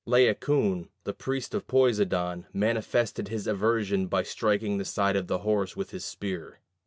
Laocoon, the priest of Poseidon, manifested his aversion by striking the side of the horse with his spear.